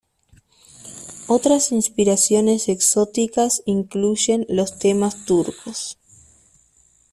Otras inspiraciones exóticas incluyen los temas turcos.